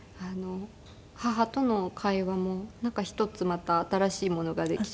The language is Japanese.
母との会話もなんか一つまた新しいものができて。